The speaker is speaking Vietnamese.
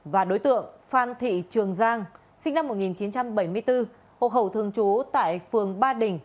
và đối tượng phan thị trường giang sinh năm một nghìn chín trăm bảy mươi bốn hộ khẩu thường trú tại phường ba đình